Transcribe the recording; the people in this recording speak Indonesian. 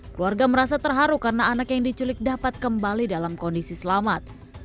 keluarga merasa terharu karena anak yang diculik dapat kembali dalam kondisi selamat